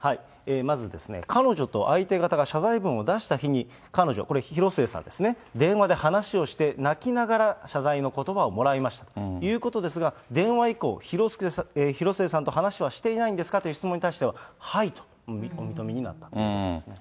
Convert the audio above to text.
まずですね、彼女と相手方が謝罪文を出した日に、彼女、これ、広末さんですね、電話で話をして、泣きながら謝罪のことばをもらいましたということですが、電話以降、広末さんと話はしていないんですかという質問に対しては、はいとお認めになったということですね。